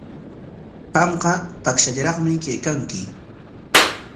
Qamqa takshallaraqmi kaykanki.